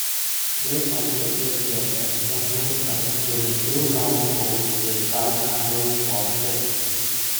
They completed the ensemble by including two round poles with bike handles for sticks.